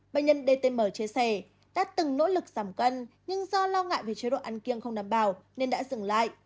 bệnh nhân dtm chia sẻ đã từng nỗ lực giảm cân nhưng do lo ngại về chế độ ăn kiêng không đảm bảo nên đã dừng lại